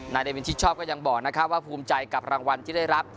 นายเดวินชิดชอบก็ยังบอกนะครับว่าภูมิใจกับรางวัลที่ได้รับ